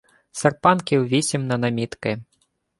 Серпанків вісім на намітки